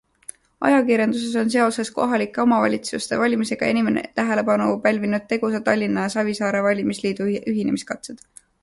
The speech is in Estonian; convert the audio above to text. Ajakirjanduses on seoses kohalike omavalitsuste valimistega enim tähelepanu pälvinud Tegusa Tallinna ja Savisaare valimisliidu ühinemiskatsed.